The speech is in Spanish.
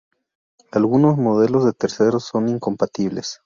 Algunos modelos de terceros son incompatibles.